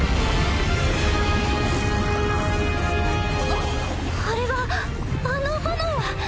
ああれはあの炎は。